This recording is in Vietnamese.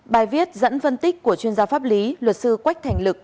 bài viết dẫn phân tích của chuyên gia pháp lý luật sư quách thành lực